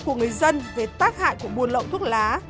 của người dân về tác hại của buôn lậu thuốc lá